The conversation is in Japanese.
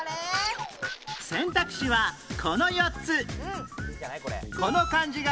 選択肢はこの４つ